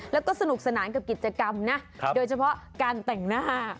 แล้วก็สนุกสนานกับกิจกรรมนะโดยเฉพาะการแต่งหน้า